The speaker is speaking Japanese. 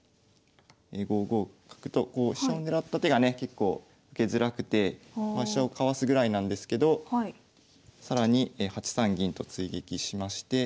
５五角と飛車を狙った手がね結構受けづらくてまあ飛車をかわすぐらいなんですけど更に８三銀と追撃しまして。